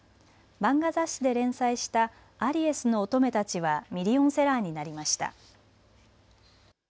漫画雑誌で連載したアリエスの乙女たちはミリオンセラーになりました。